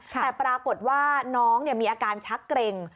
แต่ปรากฏว่าน้องมีอาการชักเกร็ง